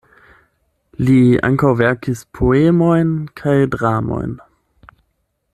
Li ankaŭ verkis poemojn kaj dramojn.